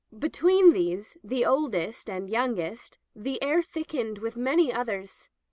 Between these, the oldest and youngest, the air thickened with many others.